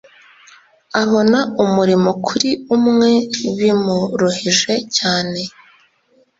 abona umurimo kuri umwe bimuruhije cyane